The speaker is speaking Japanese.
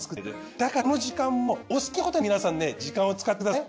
だからこの時間もお好きなことに皆さんね時間を使ってください。